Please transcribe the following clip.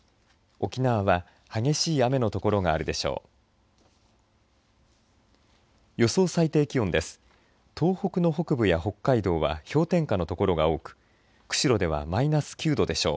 沖縄は激しい雨の所があるでしょう。